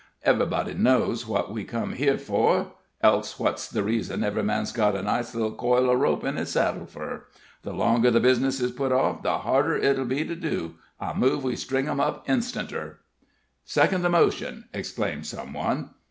Ev'rybody knows what we come here fur, else what's the reason ev'ry man's got a nice little coil o' rope on his saddle fur? The longer the bizness is put off, the harder it'll be to do. I move we string him up instanter." "Second the motion!" exclaimed some one.